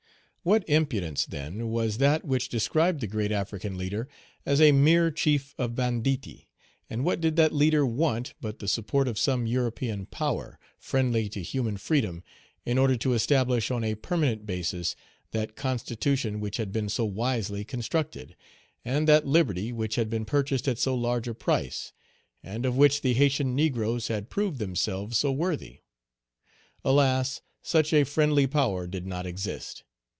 What impudence, then, was that which described the great African leader as a mere chief of banditti! and what did that leader want but the support of some European power, friendly to human freedom, in order to Page 203 establish on a permanent basis that constitution which had been so wisely constructed, and that liberty which had been purchased at so large a price, and of which the Haytian negroes had proved themselves so worthy? Alas! such a friendly power did not exist.